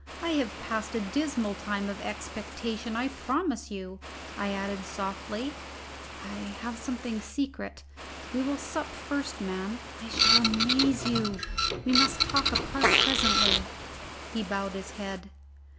I have passed a dismal time of expectation, I promise you." I added softly, "I have something secret we will sup first, man I shall amaze you! We must talk apart presently." He bowed his head.